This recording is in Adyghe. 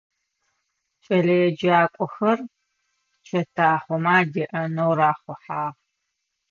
Кӏэлэеджакӏохэр чэтахъомэ адеӏэнэу рахъухьагъ.